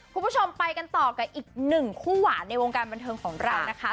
หลังไปกันกันอีกหนึ่งคู่หวานในวงการบันเทิงของเรา